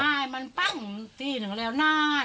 ใช่มันปั้งที่หนึ่งแล้วนาน